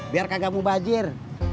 biar kagak mau bajir